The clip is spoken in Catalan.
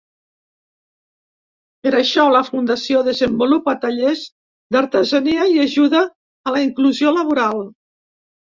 Per això, la fundació desenvolupa tallers d’artesania i ajuda a la inclusió laboral.